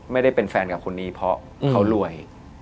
ไม่ได้เป็นแฟนกับคนนี้เพราะเขารวย